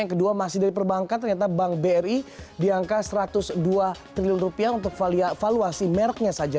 yang kedua masih dari perbankan ternyata bank bri di angka satu ratus dua triliun rupiah untuk valuasi mereknya saja